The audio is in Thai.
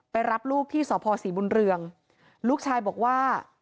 รับลูกที่สพศรีบุญเรืองลูกชายบอกว่า